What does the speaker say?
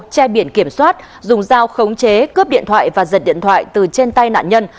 che biển kiểm soát dùng dao khống chế cướp điện thoại và giật điện thoại từ trên tay nạn nhân